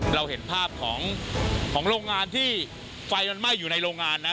เราเห็นภาพของโรงงานที่ไฟมันไหม้อยู่ในโรงงานนะ